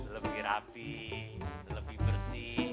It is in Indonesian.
lebih rapi lebih bersih